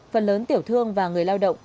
phần lớn tiểu thương và người lao động